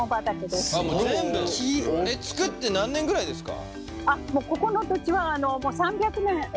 作って何年くらいですか？